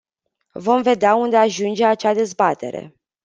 Vom vedea unde ajunge acea dezbatere.